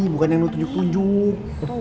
bukan yang mau tunjuk tunjuk